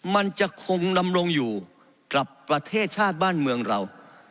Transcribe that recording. มันจะคงดำรงอยู่กับประเทศชาติบ้านเมืองเรา